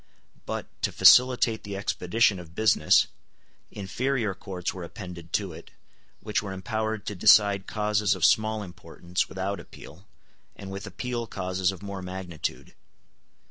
But, to facilitate the expedition of business, inferior courts were appended to it, which were empowered to decide causes of small importance without appeal, and with appeal causes of more magnitude.